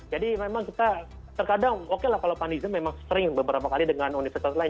jadi memang kita terkadang oke lah kalau pak nizam memang sering beberapa kali dengan universitas lain